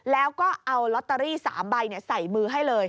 แล้วก็เอาลอตเตอรี่๓ใบใส่มือให้เลย